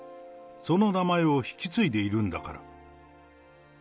その名前を引き継いでいるんだから。